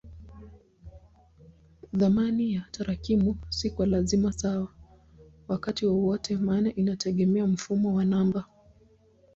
Thamani ya tarakimu si kwa lazima sawa wakati wowote maana inategemea mfumo wa namba.